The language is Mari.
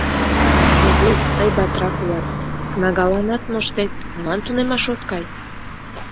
— Пагул, тый батрак улат, кнагаланат моштет, молан тунемаш от кай?